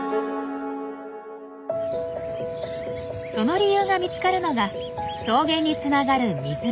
その理由が見つかるのが草原につながる水辺。